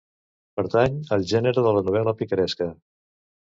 Pertany al gènere de la novel·la picaresca.